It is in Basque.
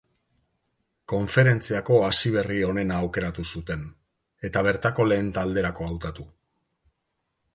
Konferentziako hasiberri onena aukeratu zuten, eta bertako lehen talderako hautatu.